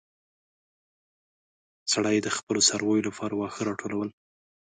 سړی د خپلو څارويو لپاره واښه راټولول.